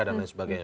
dan lain sebagainya